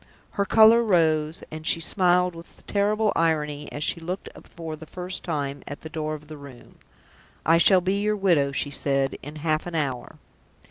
Her color rose, and she smiled with a terrible irony as she looked for the first time at the door of the Room. "I shall be your widow," she said, "in half an hour!"